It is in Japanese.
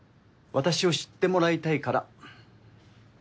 「私を知ってもらいたい」？